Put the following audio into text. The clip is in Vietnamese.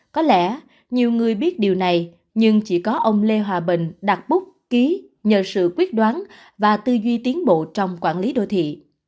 có lẽ nhiều người biết điều này nhưng chỉ có ông lê hòa bình đặt búc ký nhờ sự quyết đoán và tư duy tiến bộ trong quản lý đô thị